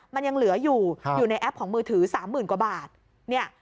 มันยังเหลืออยู่อยู่ในแอปของมือถือสามหมื่นกว่าบาทเนี่ย